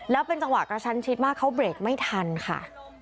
แล้วเป็นจังหวะกระชั้นชิดมากเขาเบรกไม่ทันค่ะ